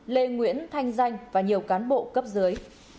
lê nguyễn thanh danh và nhiều cán bộ cấp dưới